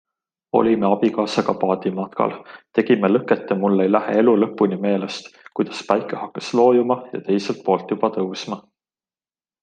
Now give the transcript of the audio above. Olime abikaasaga paadimatkal, tegime lõket ja mul ei lähe elu lõpuni meelest, kuidas päike hakkas loojuma ja teiselt poolt juba tõusma.